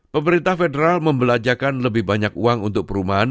pemerintah federal membelajakan lebih banyak uang untuk perumahan